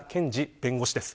弁護士です。